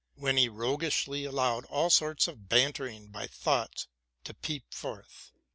when he roguishly allowed all sorts of bantering by thoughts to peep forth.